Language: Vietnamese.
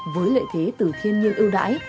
với lợi thế từ thiên nhiên ưu đãi